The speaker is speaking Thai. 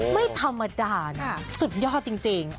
ไม่ธรรมดานะสุดยอดจริง